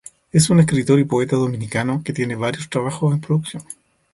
Es un escritor y poeta dominicano que tiene varios trabajos en producción.